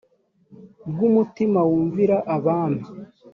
bw umutima wumvira abami